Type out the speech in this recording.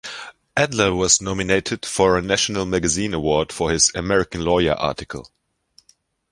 Adler was nominated for a National Magazine Award for his "American Lawyer" article.